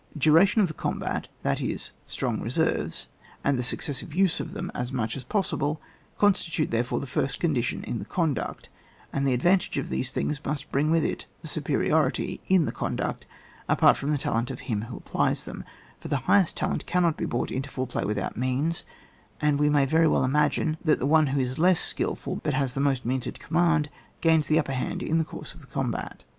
Duration of the combat, that is, strong reserves, and the successive use of them as much as possible constitute, there fore, the first condition in the conduct ; and the advantage in these things must bring with it superiority in the conduct, apart from the talent of him who applies them ; for the highest talent cannot be brought into full play without means, and we may very well imagine that the one who is less skilful, but has the most means at command, gains the upper hand in the course of the combat.